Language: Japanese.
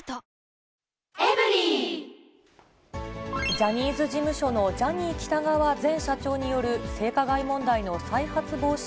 ジャニーズ事務所のジャニー喜多川前社長による性加害問題の再発防止